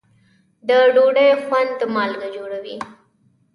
د ډوډۍ خوند مالګه جوړوي.